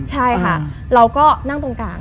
ใช่ค่ะเราก็นั่งตรงกลาง